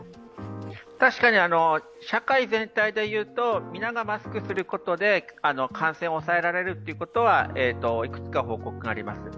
確かに社会全体でいうと皆がマスクをすることで感染を抑えられるということはいくつか報告はあります。